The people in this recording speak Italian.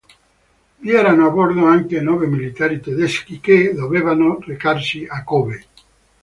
Vi erano a bordo anche nove militari tedeschi, che dovevano recarsi a Kobe.